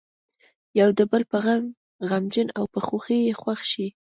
یو د بل په غم غمجن او په خوښۍ یې خوښ شي.